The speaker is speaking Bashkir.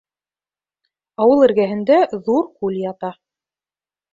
Ауыл эргәһендә ҙур күл ята.